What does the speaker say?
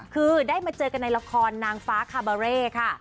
คือได้มาเจอกันในละครนางฟ้าคาบาเร่ค่ะ